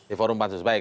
di forum pansus baik